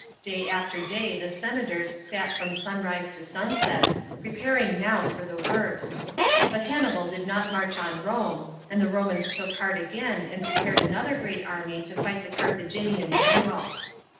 Day after day the senator!?, sat from sunrise to sunset, preparing now for the worst. But Hannibal did not march on Rome, and % the Romans took heart again and pre pared another great army to fight the Carthaginian general.